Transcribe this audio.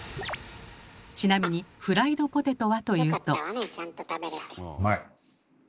ちなみにフライドポテトはというと。